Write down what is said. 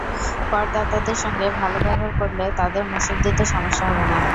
করদাতাদের সঙ্গে ভালো ব্যবহার করলে তাঁদের মূসক দিতে সমস্যা হবে না।